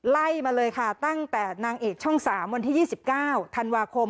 ไล่มาเลยค่ะตั้งแต่นางเอกช่อง๓วันที่๒๙ธันวาคม